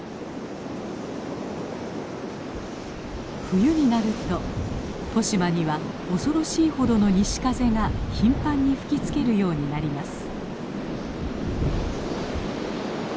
冬になると利島には恐ろしいほどの西風が頻繁に吹きつけるようになります。